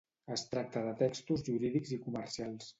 Es tracta de textos jurídics i comercials.